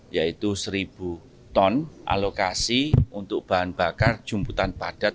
yaitu seribu ton alokasi untuk bahan bakar jumputan padat